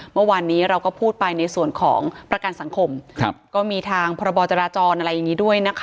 เมื่อวานนี้เราก็พูดไปในส่วนของประกันสังคมก็มีทางพรบจราจรอะไรอย่างนี้ด้วยนะคะ